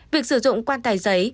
việc sử dụng quan tài giấy